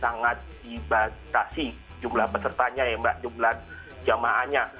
sangat dibatasi jumlah pesertanya ya mbak jumlah jamaahnya